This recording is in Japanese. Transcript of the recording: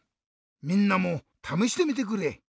みんなもためしてみてくれ。